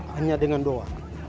hanya dengan doa